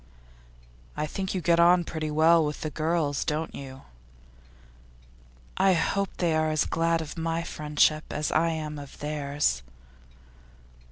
'I think you get on pretty well with the girls, don't you?' 'I hope they are as glad of my friendship as I am of theirs.